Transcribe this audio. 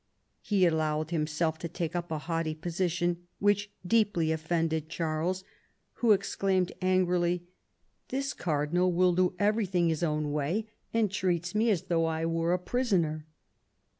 He allowed himself to take up a haughty posi tion, which deeply offended Charles, who exclaimed angrily, "This cardinal will do everything his own way, and treats me as though I were a prisoner."